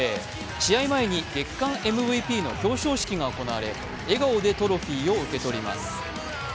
試合前に、月間ＭＶＰの表彰式が行われ笑顔でトロフィーを受け取ります。